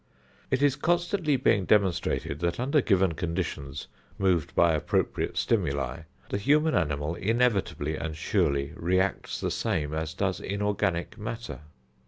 It is constantly being demonstrated that under given conditions, moved by appropriate stimuli, the human animal inevitably and surely reacts the same as does inorganic matter.